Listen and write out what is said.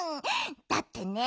だってね